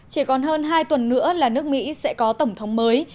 chỉ còn hơn hai tuần nữa là nước mỹ sẽ có tổng thống mới